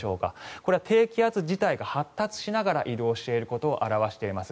これは低気圧自体が発達しながら移動していることを表しています。